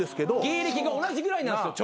芸歴が同じぐらいなんですよ